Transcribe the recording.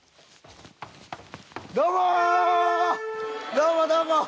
どうもどうも。